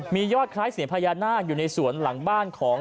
มียอดคล้ายเสียงพญานาคอยู่ในสวนหลังบ้านของ